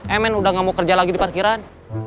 eh men udah gak mau kerja lagi di parkiran